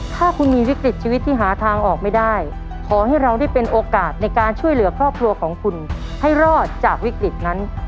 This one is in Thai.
ถ้าคุณมีวิกฤตชีวิตที่หาทางออกไม่ได้ขอให้เราได้เป็นโอกาสในการช่วยเหลือครอบครัวของคุณให้รอดจากวิกฤตนั้น